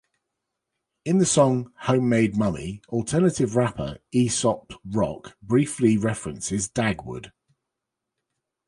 In the song "Homemade Mummy" alternative rapper Aesop Rock briefly references Dagwood.